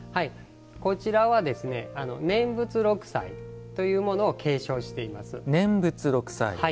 こちらは、念仏六斎というものを継承しております。